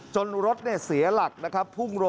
จนรถเสียหลักนะครับ